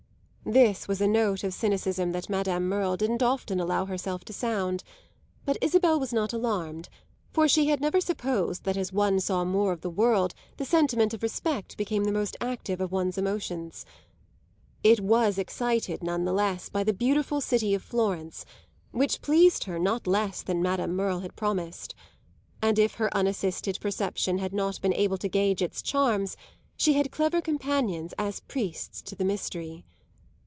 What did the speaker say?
This was a note of cynicism that Madame Merle didn't often allow herself to sound; but Isabel was not alarmed, for she had never supposed that as one saw more of the world the sentiment of respect became the most active of one's emotions. It was excited, none the less, by the beautiful city of Florence, which pleased her not less than Madame Merle had promised; and if her unassisted perception had not been able to gauge its charms she had clever companions as priests to the mystery.